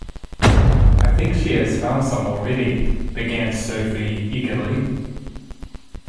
"I think she has found some already," began Sophie eagerly.